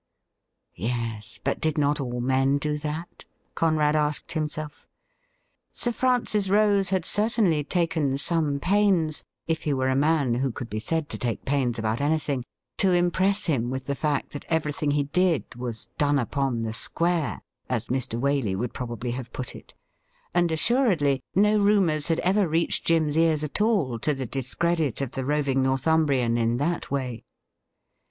Yes, but did not all men do that? Conrad asked himself. Sir Francis Rose had certainly taken some pains — if he were a man who could be said to take pains about anything — ^to impress him with the fact that everything he did was ' done upon the square,' as Mr. Waley would probably have put it, and assuredly no i umours had ever reached Jim's ears at all to the discredit of the roving Northumbrian in that way.